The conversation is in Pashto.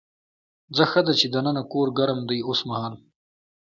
ځه ښه ده چې دننه کور ګرم دی اوسمهال.